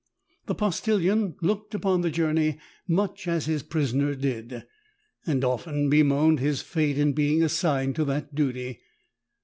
The postillion looked upon the journc}^ much as his prisoner did, and often bemoaned his fate in being assigned to that duty.